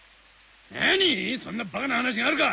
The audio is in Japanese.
何⁉そんなバカな話があるか！